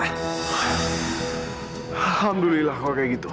alhamdulillah kalau kayak gitu